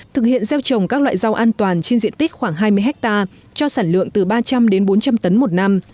thực hiện gieo trồng các loại rau an toàn trên diện tích khoảng hai mươi hectare cho sản lượng từ ba trăm linh đến bốn trăm linh tấn một năm